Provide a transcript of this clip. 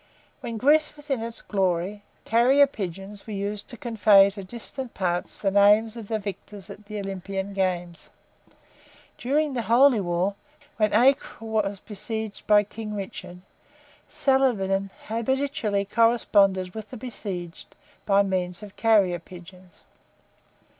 When Greece was in its glory, carrier pigeons were used to convey to distant parts the names of the victors at the Olympian games. During the holy war, when Acre was besieged by King Richard, Saladin habitually corresponded with the besieged by means of carrier pigeons.